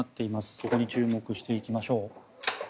そこに注目していきましょう。